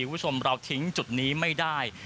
คุณผู้ชมเราทิ้งจุดนี้ไม่ได้